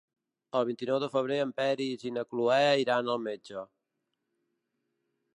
El vint-i-nou de febrer en Peris i na Cloè iran al metge.